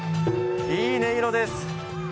いい音色です。